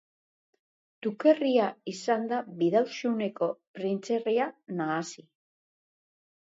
Dukerria ezin da Bidaxuneko printzerria nahasi.